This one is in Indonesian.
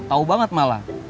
tau banget malah